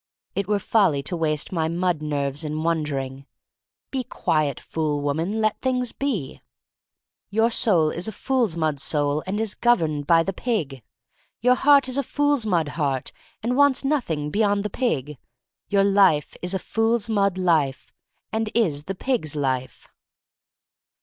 It were folly to waste my mud nerves in wondering. Be quiet, fool woman, let things be. Your soul is a fool's mud soul and is governed by the pig; your heart is a fool's mud heart, and wants nothing beyond the pig; your life is a fpol's mud life, and is the pig s life.